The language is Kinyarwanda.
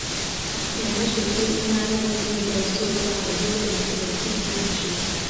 nyamasheke intara y iburengerazuba habayo ibitoki byishi